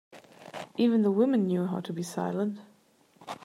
Even the women knew how to be silent.